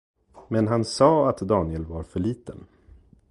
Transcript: Men han sa att Daniel var för liten.